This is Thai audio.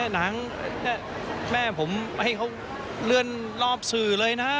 หลังแม่ผมให้เขาเลื่อนรอบสื่อเลยนะ